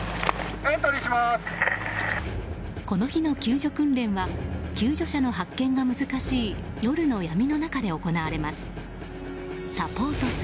この日の救助訓練は救助者の発見が難しい夜の闇の中で行われます。